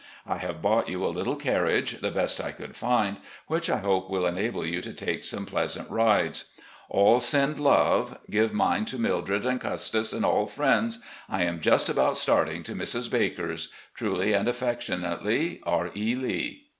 I have bought you a little carriage, the best I could find, which I hope will enable you to take some pleasant rides. All send love. LEE'S LETTERS TO HIS SONS 349 Give mine to Mildred, and Custis, and all friends. I am just about starting to Mrs. Baker's. " Truly and aflEectionately, R. E. Lee.